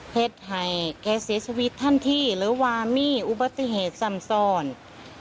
เพศไทยแก่เสียชีวิตท่านที่หรือว่ามีอุบัติเหตุสำสรรค์